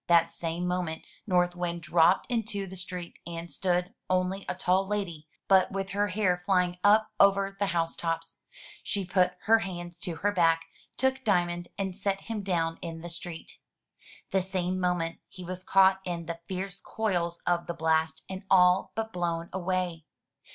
The same moment North Wind dropped into the street and stood, only a tall lady, but with her hair flying up over the house tops. She put her hands to her back, took Diamond, and set him down in the street. The same moment he was caught in the fierce coils of the blast, and all but blown away.